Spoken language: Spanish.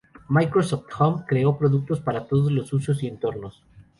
Microsoft Home creó productos para todos los usos y entornos.